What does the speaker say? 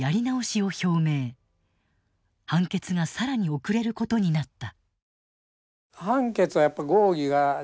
判決が更に遅れることになった。